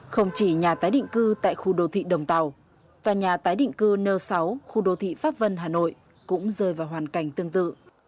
không chỉ nhà tái định cư tại khu đô thị đồng tàu tòa nhà tái định cư n sáu khu đô thị pháp vân hà nội cũng rơi vào hoàn cảnh tương tự